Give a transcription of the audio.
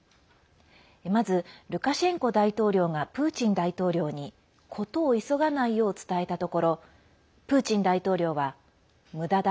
まずルカシェンコ大統領がプーチン大統領に事を急がないよう伝えたところプーチン大統領は、むだだ。